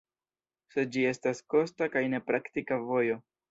Sed ĝi estas kosta kaj ne praktika vojo.